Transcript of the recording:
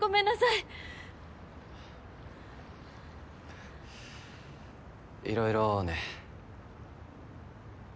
いろいろね。